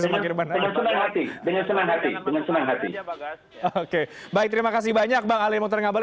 dengan senang hati dengan senang hati oke baik terima kasih banyak bang ali motornya